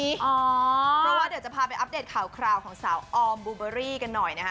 เพราะว่าเดี๋ยวจะพาไปอัปเดตข่าวคราวของสาวออมบูเบอรี่กันหน่อยนะคะ